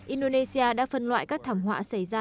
indonesia đã phân loại các thảm họa xảy ra